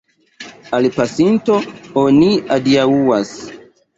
Al pasinto oni adiaŭas.